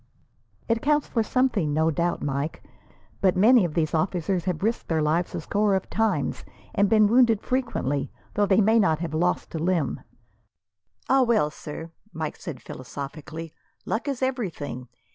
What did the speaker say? "It counts for something, no doubt, Mike, but many of these officers have risked their lives a score of times, and been wounded frequently, though they may not have lost a limb." "Ah well, sir!" Mike said, philosophically, "Luck is everything.